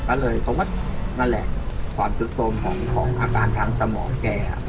ก็เลยเพราะว่านั่นแหละความสุดโทรมของอาการทางสมองแก